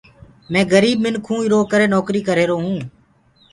مينٚ گريٚب منکوٚنٚ ايٚرو ڪري نوڪريٚ ڪريهرونٚ۔